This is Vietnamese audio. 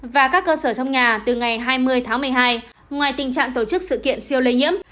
và các cơ sở trong nhà từ ngày hai mươi tháng một mươi hai ngoài tình trạng tổ chức sự kiện siêu lây nhiễm